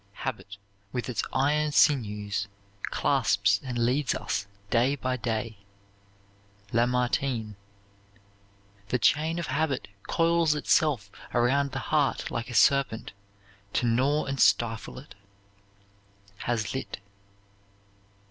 Habit, with its iron sinews, Clasps and leads us day by day. LAMARTINE. The chain of habit coils itself around the heart like a serpent, to gnaw and stifle it. HAZLITT.